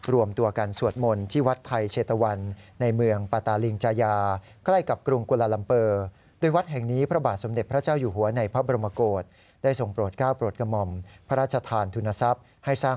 รวมตัวกันสวดมนตร์ที่วัดไทยเชตวันในเมืองปาตาลิงจาญา